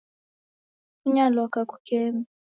Funya lwaka kukeme